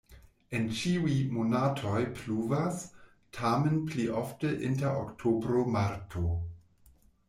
En ĉiuj monatoj pluvas, tamen pli ofte inter oktobro-marto.